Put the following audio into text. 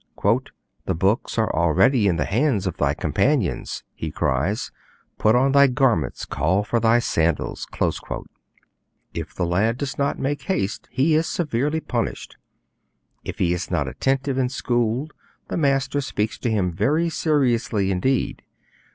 'The books are already in the hands of thy companions,' he cries; 'put on thy garments, call for thy sandals.' If the lad does not make haste he is severely punished; if he is not attentive in school the master speaks to him very seriously indeed.